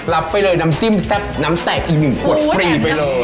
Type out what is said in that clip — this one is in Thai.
รับไปเลยน้ำจิ้มแซ่บน้ำแตกอีก๑ขวดฟรีไปเลย